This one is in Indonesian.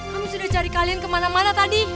kami sudah cari kalian kemana mana tadi